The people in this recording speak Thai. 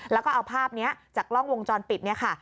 แล้วก็เอาภาพนี้จากกล้องวงจรปิดเนี่ยค่ะ